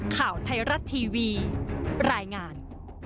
ข่าวไทยรัฐทีวีรายงาน